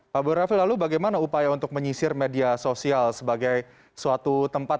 pak boy raffi lalu bagaimana upaya untuk menyisir media sosial sebagai suatu tempat